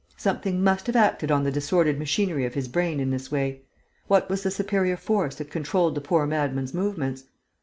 Something must have acted on the disordered machinery of his brain in this way. What was the superior force that controlled the poor madman's movements?